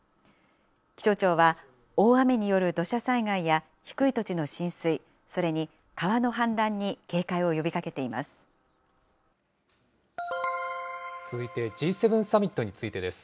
気象庁は、大雨による土砂災害や低い土地の浸水、それに川の氾濫に警戒を呼びかけています。